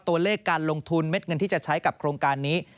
ตัวเลขการลงทุนเม็ดเงินที่จะใช้กับโครงการนี้